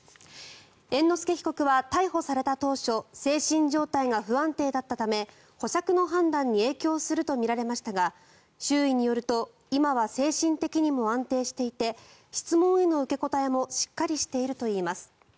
猿之助被告は逮捕された当初精神状態が不安定だったため保釈の判断に影響するとみられましたが周囲によると今は精神的にも安定していて質問への受け答えもしっかりしているといいます。